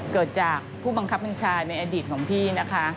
เกิดจากผู้บังคับบัญชาในอดีตของพี่นะคะ